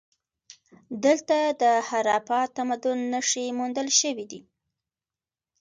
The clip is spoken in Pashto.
دلته د هراپا تمدن نښې موندل شوي دي